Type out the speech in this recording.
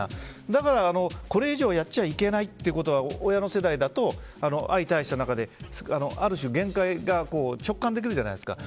だから、これ以上やっちゃいけないということが親の世代だと、相対した中である種、限界が直感できるじゃないですか。